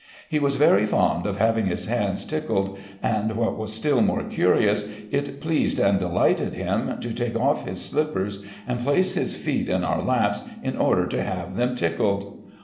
He was very fond of having his hands tickled, and, what was still more curious, it pleased and delighted him to take off his slippers and place his feet in our laps in order to have them tickled.